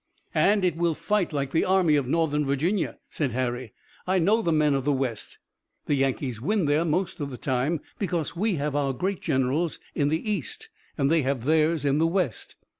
"And it will fight like the Army of Northern Virginia," said Harry. "I know the men of the West. The Yankees win there most of the time, because we have our great generals in the East and they have theirs in the West."